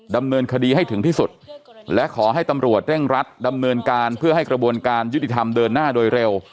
ดำเนินคดีให้ถึงที่สุดและขอให้ตำรวจเร่งรัดดำเนินการเพื่อให้กระบวนการยุติธรรมเดินหน้าโดยเร็ว